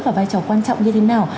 và vai trò quan trọng như thế nào